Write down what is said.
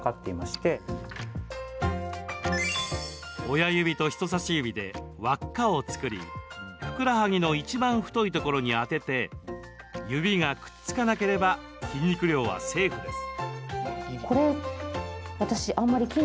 親指と人さし指で、わっかを作りふくらはぎのいちばん太いところに当てて指がくっつかなければ筋肉量はセーフです。